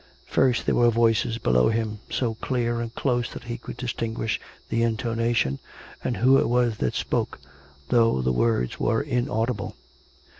First, there were voices below him, so clear and close that he could distinguish the intonation, and who it was that spoke, though the words were inaudible.